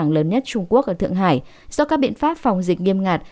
lớn nhất trung quốc ở thượng hải do các biện pháp phòng dịch nghiêm ngặt